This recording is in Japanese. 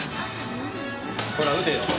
ほら撃てよ。